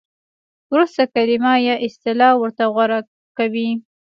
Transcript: ورسته کلمه یا اصطلاح ورته غوره کوي.